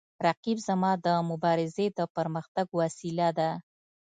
رقیب زما د مبارزې د پرمختګ وسیله ده